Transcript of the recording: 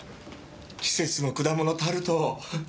季節の果物タルト。